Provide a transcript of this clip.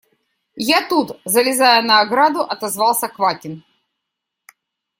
– Я тут, – залезая на ограду, отозвался Квакин.